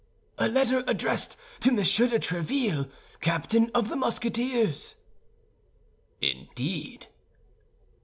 "A letter addressed to Monsieur de Tréville, captain of the Musketeers." "Indeed!"